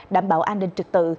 đảm bảo an ninh trực tự